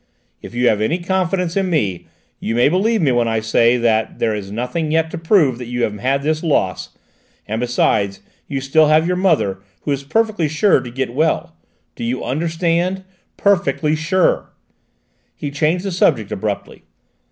If you have any confidence in me, you may believe me when I say that. There is nothing yet to prove that you have had this loss: and, besides, you still have your mother, who is perfectly sure to get quite well: do you understand? perfectly sure!" He changed the subject abruptly.